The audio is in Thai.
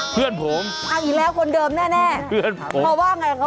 เพื่อนผมเอาอีกแล้วคนเดิมแน่แน่เพื่อนผมมาว่าไงเขา